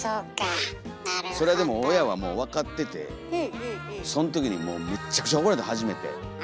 それでも親はもう分かっててそん時にめっちゃくちゃ怒られた初めて。